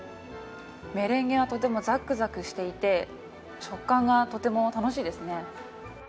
メレンゲはとてもザクザクしていて食感がとても楽しいですね。